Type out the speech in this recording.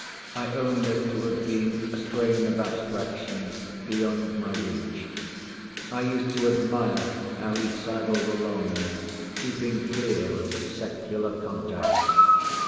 I own this to have been a strain of abstraction beyond my reach. I used to admire how he sidled along, keeping clear of secular contacts.